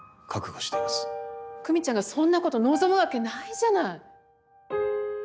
久美ちゃんがそんなこと望むわけないじゃない！